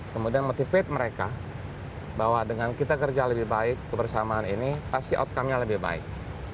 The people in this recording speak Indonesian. kemudian motivate mereka bahwa dengan kita kerja lebih baik kebersamaan ini pasti outcome nya lebih baik